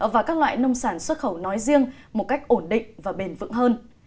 và các loại nông sản xuất khẩu nói riêng một cách ổn định và bền vững hơn